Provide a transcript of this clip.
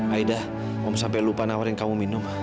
aidah om sampai lupa nawarin kamu minum